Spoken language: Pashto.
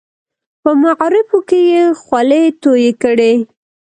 په معارفو کې یې خولې تویې کړې.